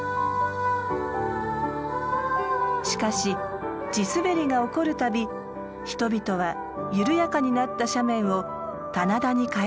しかし地すべりが起こるたび人々は緩やかになった斜面を棚田に変えてきました。